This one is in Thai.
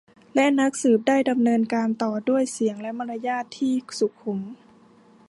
และนักสืบได้ดำเนินการต่อด้วยเสียงและมารยาทที่สุขุม